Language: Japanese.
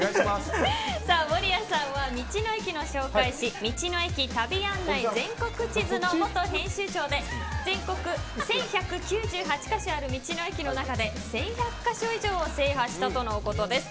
守屋さんは道の駅の紹介誌「道の駅旅案内全国地図」の元編集長で全国１１９８か所ある道の駅の中で１１００か所以上を制覇したということです。